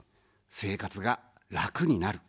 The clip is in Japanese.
生活が楽になる。